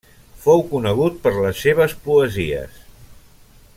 Fou conegut per les seves poesies.